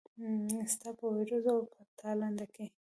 ستا په ورېځو او په تالنده کې